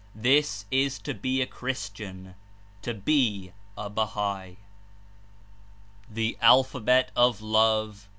This it is to be a Christian, to be a Bahai. THE ALPHABET OF LOVE